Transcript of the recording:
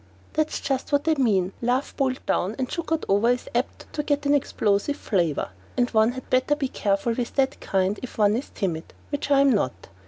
That's just what I mean love boiled down and sugared over is apt to get an explosive flavour, and one had better be careful with that kind if one is timid; which I'm not.